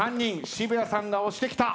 渋谷さんが押してきた。